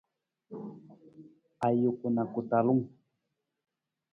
Ajuku na ku talung.